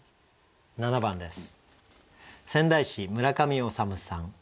７番です。